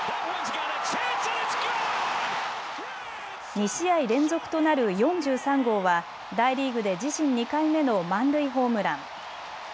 ２試合連続となる４３号は大リーグで自身２回目の満塁ホームラン。